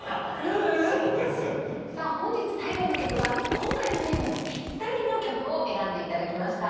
さあ本日最後の曲は今回のテーマにぴったりの曲を選んで頂きました。